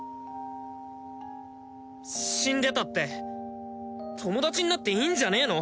死んでたって友達になっていいんじゃねえの？